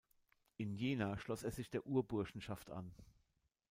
In Jena schloss er sich der Urburschenschaft an.